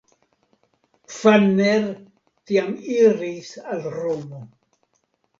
Pfanner tiam iris al Romo.